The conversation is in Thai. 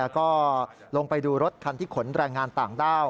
ก็ลงไปดูรถคันที่ขนแรงงานต่างด้าว